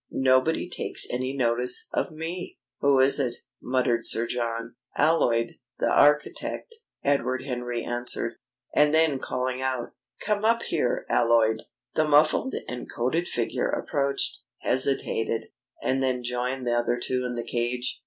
"Nobody takes any notice of me!" "Who is it?" muttered Sir John. "Alloyd, the architect," Edward Henry answered, and then calling loud: "Come up here, Alloyd." The muffled and coated figure approached, hesitated, and then joined the other two in the cage.